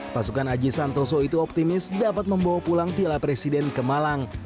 pasukan aji santoso itu optimis dapat membawa pulang piala presiden ke malang